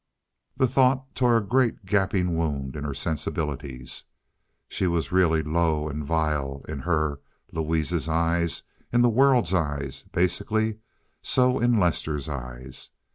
The thought tore a great, gaping wound in her sensibilities. She was really low and vile in her—Louise's—eyes, in the world's eyes, basically so in Lester's eyes.